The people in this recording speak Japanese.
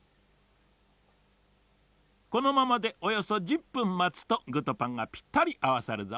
このままでおよそ１０ぷんまつとぐとパンがぴったりあわさるぞ。